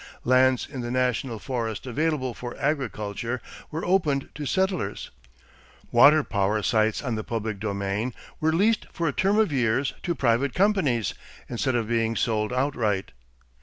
Lands in the national forest available for agriculture were opened to settlers. Water power sites on the public domain were leased for a term of years to private companies instead of being sold outright.